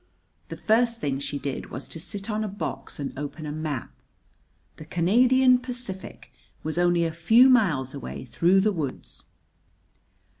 The first thing she did was to sit on a box and open a map. The Canadian Pacific was only a few miles away through the woods!